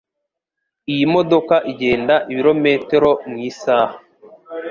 Iyi modoka igenda ibirometero mu isaha.